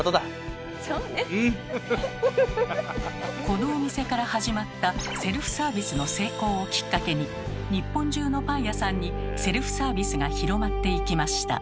このお店から始まったセルフサービスの成功をきっかけに日本中のパン屋さんにセルフサービスが広まっていきました。